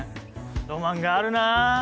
ロマンがあるな。